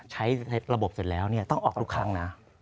ใช้ระบบเสร็จแล้วต้องออกทุกครั้งนะ